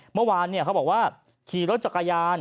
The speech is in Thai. เมื่อวานเขาบอกว่าขี่รถจักรยาน